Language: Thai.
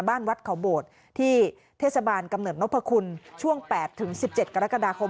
บ้านวัดเขาโบสต์ที่เทศบาลกำเนิดนพคุณช่วงแปดถึงสิบเจ็ดกรกฎาคม